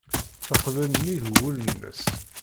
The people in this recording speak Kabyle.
Teqbel nnig wul-nnes.